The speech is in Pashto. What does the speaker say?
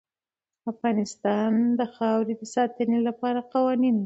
افغانستان د خاوره د ساتنې لپاره قوانین لري.